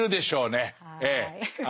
ええ。